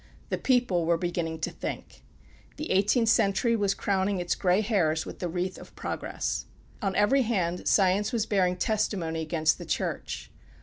The people were beginning to think. The Eighteenth Century was crowning its gray hairs with the wreath of Progress. On every hand Science was bearing testimony against the Church.